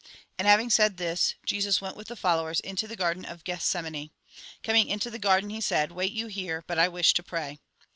And having said this, Jesus went with the fol lowers into the garden of Gethsemane. Coming into the garden, he said :" Wait you here, but I wish to pray."